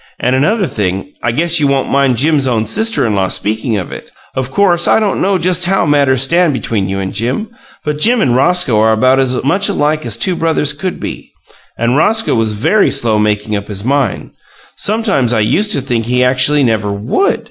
And another thing I guess you won't mind Jim's own sister in law speaking of it. Of course, I don't know just how matters stand between you and Jim, but Jim and Roscoe are about as much alike as two brothers can be, and Roscoe was very slow making up his mind; sometimes I used to think he actually never WOULD.